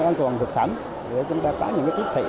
an toàn thực phẩm để chúng ta có những cái tiếp thị